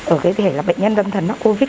ở cái thể là bệnh nhân tâm thần mắc covid